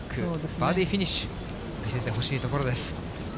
バーディーフィニッシュ、見せてほしいところです。